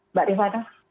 mbak riva nah